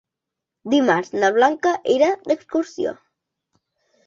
Dimarts na Blanca irà d'excursió.